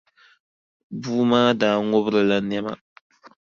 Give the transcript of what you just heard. Bua maa daa ŋubirila nɛma.